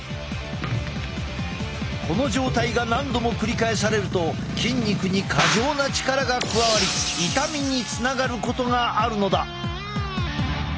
この状態が何度も繰り返されると筋肉に過剰な力が加わり痛みにつながることがあるのだ。